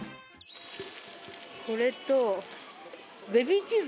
これと。